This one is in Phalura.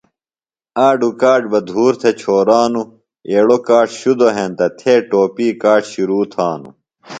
آڈو کاڇ بہ دھور تھے چھورانو ایڑو کاڇ شدو ہینتہ تھے ٹوپی کاڇ شرو تھانو ۔